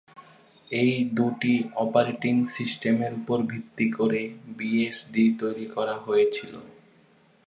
এই দুটি অপারেটিং সিস্টেমের উপর ভিত্তি করেই বিএসডি তৈরি করা হয়েছিল।